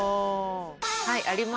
はいあります。